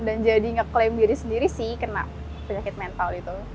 dan jadi ngeklaim diri sendiri sih kena penyakit mental gitu